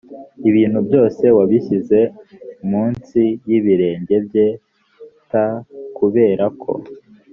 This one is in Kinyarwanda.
ibintu byose wabishyize munsi y ibirenge bye t kubera ko